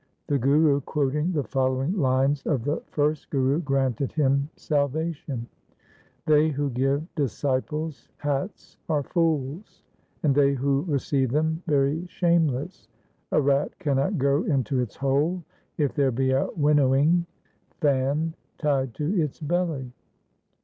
The Guru, quoting the follow ing lines of the first Guru, granted him salvation :— They who give disciples hats 1 are fools, and they who receive them very shameless. A rat cannot go into its hole if there be a winnowing fan tied to its belly.